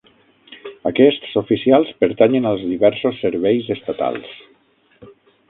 Aquests oficials pertanyen als diversos serveis estatals.